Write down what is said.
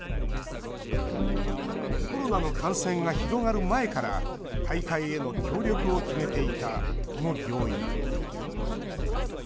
コロナの感染が広がる前から大会への協力を決めていたこの病院。